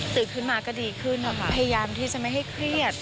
ขึ้นมาก็ดีขึ้นนะคะพยายามที่จะไม่ให้เครียด